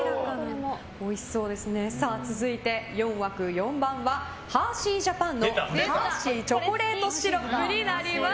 続いて、４枠４番はハーシージャパンのハーシーチョコレートシロップになります。